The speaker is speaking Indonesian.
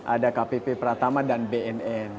ada kpp pratama dan bnn